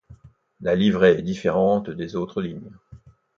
La livrée est différente des autres lignes.